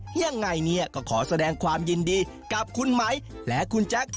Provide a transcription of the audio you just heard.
ยังไงเนี่ยก็ขอแสดงความยินดีกับคุณไหมและคุณแจ๊ค